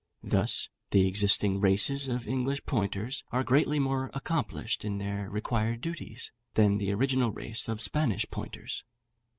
Thus, the existing races of English pointers are greatly more accomplished in their required duties than the original race of Spanish pointers.